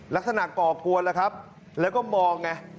ลักษณะปลอกกวนแล้วก็มองเนี่ย